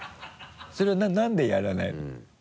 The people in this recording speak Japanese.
それは何でやらないの？